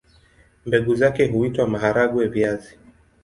Mbegu zake huitwa maharagwe-viazi.